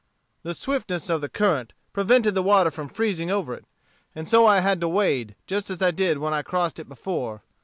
"The swiftness of the current prevented the water from freezing over it; and so I had to wade, just as I did when I crossed it before.